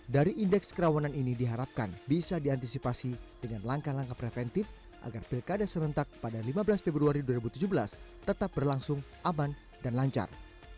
dari indeks kerawanan ini diharapkan bisa diantisipasi dengan langkah langkah preventif agar pilkada serentak pada lima belas februari dua ribu tujuh belas tetap berlangsung aman dan lancar